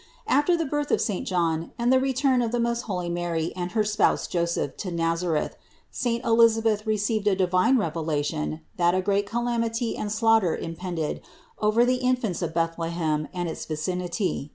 After the birth of saint John and the return of the most holy Mary and her spouse Joseph to Nazareth, saint Elisa beth received a divine revelation that a great calamity and slaughter impended over the infants of Bethlehem and its vicinity.